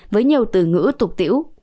với nhiều từ ngữ tục tiểu